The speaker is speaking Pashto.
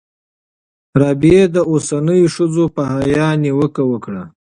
رابعې د اوسنیو ښځو په حیا نیوکه وکړه.